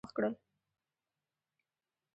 د شپه اواز د دوی زړونه ارامه او خوښ کړل.